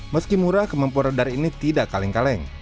meski murah kemampuan radar ini tidak kaleng kaleng